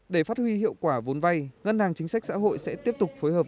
để phát huy hiệu quả vốn vay ngân hàng chính sách xã hội sẽ tiếp tục phối hợp